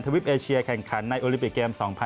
วิปเอเชียแข่งขันในโอลิปิกเกม๒๐๑๖